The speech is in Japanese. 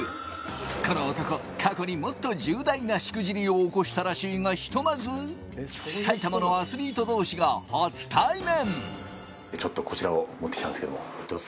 この男、過去にもっと重大なしくじりを起こしたらしいが、ひとまず埼玉のアスリート同士が初対面。